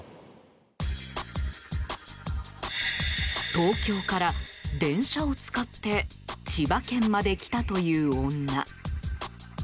東京から電車を使って千葉県まで来たという女。